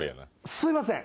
すいません。